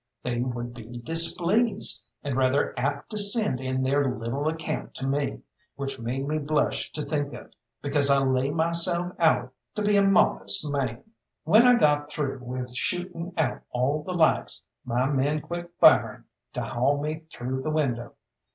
They would be displeased, and rather apt to send in their little account to me, which made me blush to think of, because I lay myself out to be a modest man. When I got through with shooting out all the lights my men quit firing to haul me through the window.